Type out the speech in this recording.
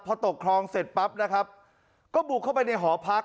พอตกคลองเสร็จปั๊บนะครับก็บุกเข้าไปในหอพัก